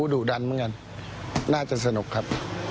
ดุดันเหมือนกันน่าจะสนุกครับ